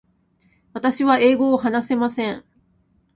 私は英語を話せません。